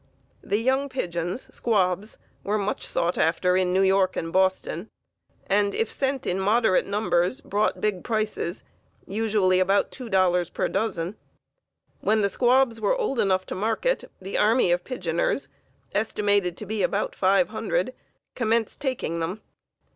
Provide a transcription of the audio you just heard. The young pigeons (squabs) were much sought after in New York and Boston, and if sent in moderate numbers brought big prices, usually about two dollars per dozen. When the squabs were old enough to market, the army of pigeoners (estimated to be about five hundred) commenced taking them.